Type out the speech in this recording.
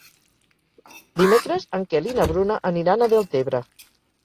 Dimecres en Quel i na Bruna aniran a Deltebre.